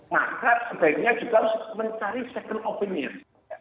maka sebaiknya juga harus mencari second opinion